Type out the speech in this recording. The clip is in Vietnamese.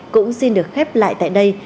cũng xin được khép lại tại đây